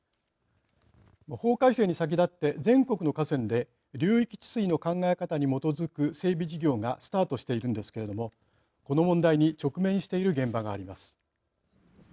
法改正に先立って全国の河川で流域治水の考え方に基づく整備事業がスタートしているんですけれどもこの問題に直面している現場があります。